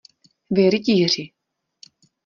Vy rytíři!